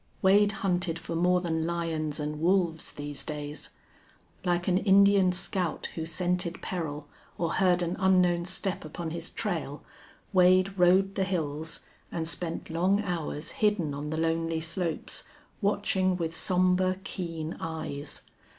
Wade hunted for more than lions and wolves these days. Like an Indian scout who scented peril or heard an unknown step upon his trail, Wade rode the hills, and spent long hours hidden on the lonely slopes, watching with somber, keen eyes.